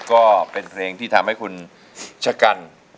ก็เป็นเพลงที่ทำให้คุณชะกัน